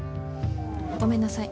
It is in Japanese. ごめんなさい。